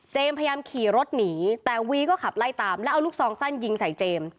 พยายามขี่รถหนีแต่วีก็ขับไล่ตามแล้วเอาลูกซองสั้นยิงใส่เจมส์